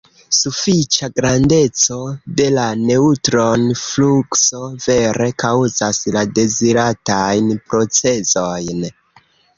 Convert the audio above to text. Sufiĉa grandeco de la neŭtron-flukso vere kaŭzas la deziratajn procezojn.